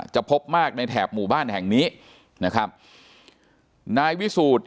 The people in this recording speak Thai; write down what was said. พบมากในแถบหมู่บ้านแห่งนี้นะครับนายวิสูจน์